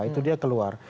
itu dia keluar